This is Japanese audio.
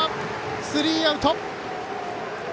スリーアウト。